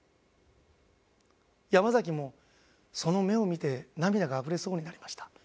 山崎もその目を見て涙があふれそうになりました。